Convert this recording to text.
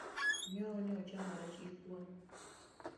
Nyoro ne achamo rech gi kuwon